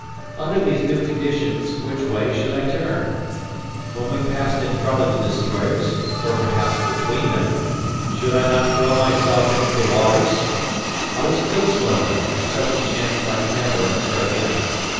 Under these new conditions which way should I turn? When we passed in front of the destroyers, or perhaps between them, should I not throw myself into the waters? I was a good swimmer, and such a chance might never occur again.